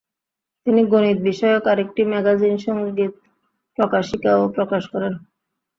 তিনি গণিত বিষয়ক আরেকটি ম্যাগাজিন সঙ্গীত প্রকাশিকাও প্রকাশ করেন।